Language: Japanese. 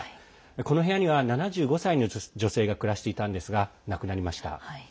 この部屋には、７５歳の女性が暮らしていたんですが亡くなりました。